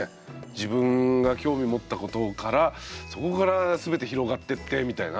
自分が興味持ったことからそこから全て広がってってみたいな。